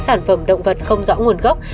sản phẩm động vật không rõ nguồn gốc